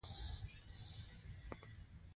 خوړل باید پاک وي